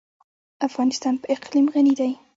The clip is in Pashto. افغانستان په اقلیم غني دی.